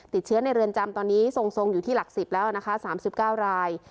ติดเชื้อในเรือนจำตอนนี้ทรงอยู่ที่หลัก๑๐แล้วนะคะ๓๙ราย